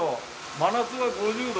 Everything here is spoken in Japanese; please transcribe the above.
真夏は５０度。